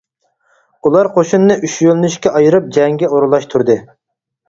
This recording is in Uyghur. ئۇلار قوشۇننى ئۈچ يۆنىلىشكە ئايرىپ، جەڭگە ئورۇنلاشتۇردى.